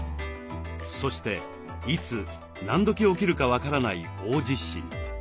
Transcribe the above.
そしていつ何時起きるか分からない大地震。